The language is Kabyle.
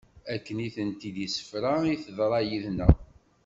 Akken i tent-id-issefra i teḍra yid-nneɣ.